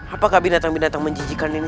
apakah binatang binatang menjijikan ini